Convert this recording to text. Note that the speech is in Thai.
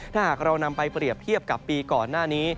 ถ้าหากเรานำไปเปรียบเทียบกับปีก่อนหน้านี้